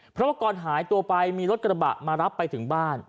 เพราะว่าก่อนหายตัวไปมีรถกระบะมารับไปถึงบ้าน